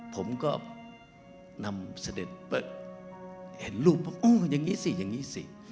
ผมก็นำเสด็จเห็นรูปว่าโอ้อย่างนี้สิอย่างนี้สิ